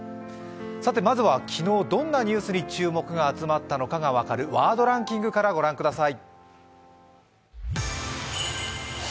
まずは、昨日どんなニュースに注目が集まったのかが分かるワードランキングから御覧ください。